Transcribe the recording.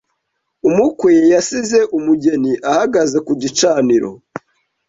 Umukwe yasize umugeni ahagaze ku gicaniro.